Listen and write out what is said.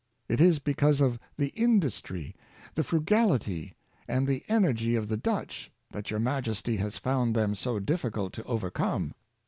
It is be cause of the industry, the frugality, and the energy of the Dutch t^fiat your majesty has found them so difficult to overcome."